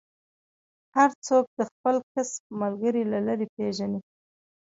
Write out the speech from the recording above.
هر څوک د خپل کسب ملګری له لرې پېژني.